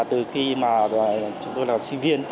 từ khi chúng tôi là sinh viên